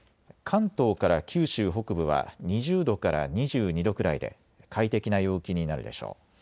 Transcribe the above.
関東から九州北部は２０度から２２度くらいで、快適な陽気になるでしょう。